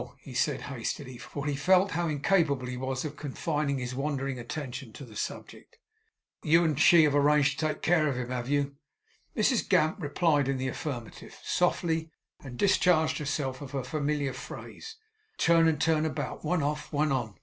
he said, hastily, for he felt how incapable he was of confining his wandering attention to the subject. 'You and she have arranged to take care of him, have you?' Mrs Gamp replied in the affirmative, and softly discharged herself of her familiar phrase, 'Turn and turn about; one off, one on.